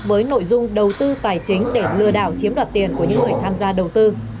với nội dung đầu tư tài chính để lừa đảo chiếm đoạt tiền của những người tham gia đầu tư